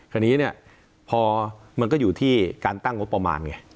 คราวนี้เนี่ยพอมันก็อยู่ที่การตั้งงบประมาณไง